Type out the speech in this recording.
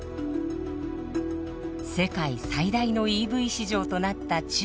世界最大のＥＶ市場となった中国。